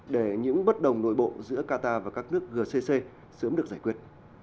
để những bất đồng nội bộ giữa qatar và các nước gcc sớm được giải quyết